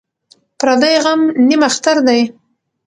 ـ پردى غم نيم اختر دى.